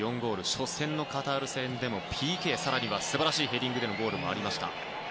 初戦のカタール戦でもＰＫ更には素晴らしいヘディングでのゴールもありました。